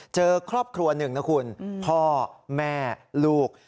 เจอครอบครัวหนึ่งนะคุณพ่อแม่ลูก